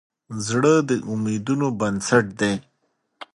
زړه د امیدونو بنسټ دی.